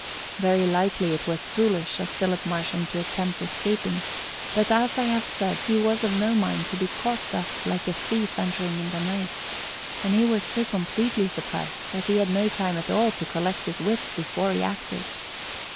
Very likely it was foolish of Philip Marsham to attempt escaping, but as I have said he was of no mind to be caught thus like a thief entering in the night, and he was so completely surprised that he had no time at all to collect his wits before he acted.